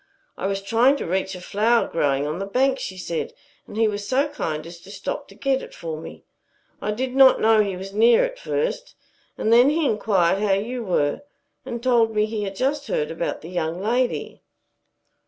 "I was trying to reach a flower growing on the bank," she said, "and he was so kind as to stop to get it for me. I did not know he was near at first. And then he inquired how you were and told me he had just heard about the young lady."